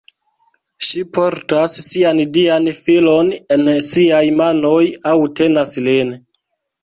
Ŝi portas sian dian filon en siaj manoj, aŭ tenas lin.